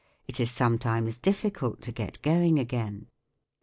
It is sometimes difficult to get going again.